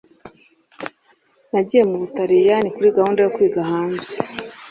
Nagiye mu Butaliyani kuri gahunda yo kwiga hanze.